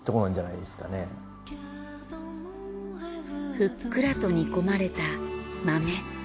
ふっくらと煮込まれた豆。